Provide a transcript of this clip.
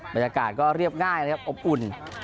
บรรยากาศก็เรียบง่ายนะครับอบอุ่น